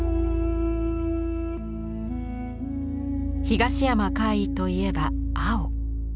東山魁夷といえば青。